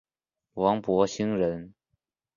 王柏心人。